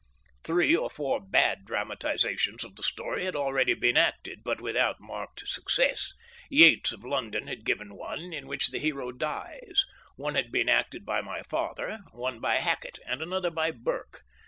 Three or four bad dramatisations of the story had already been acted, but without marked success, Yates of London had given one in which the hero dies, one had been acted by my father, one by Hackett, and another by Burke.